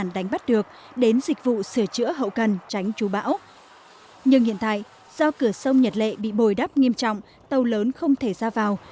do cửa sông nhật lệ bị bồi đắp nghiêm trọng tàu lớn không thể ra vào